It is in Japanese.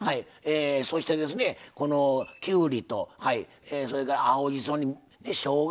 そして、きゅうりとそれから青じそ、しょうが。